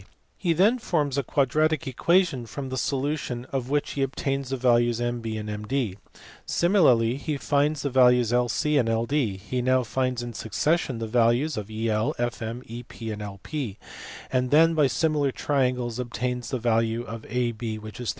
He then forms a quadratic equation from the solution of which he obtains the values of MB and MD. Similarly he finds the values of LG and LD. He now finds in succession the values of EL, FM, EP and LP ; and then by similar triangles obtains the value of AB which is 13.